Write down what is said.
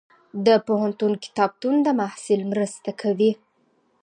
د پوهنتون کتابتون د محصل مرسته کوي.